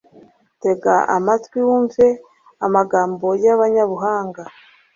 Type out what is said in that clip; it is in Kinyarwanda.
Tega amatwi wumve amagambo y’abanyabuhanga